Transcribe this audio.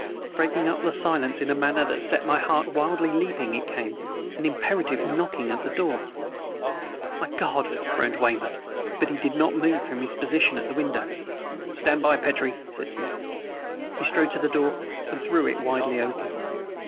Breaking up the silence in a manner that set my heart wildly leaping it came an imperative knocking on the door! "My God!" groaned Weymouth but he did not move from his position at the window. "Stand by, Petrie!" said Smith. He strode to the door and threw it widely open.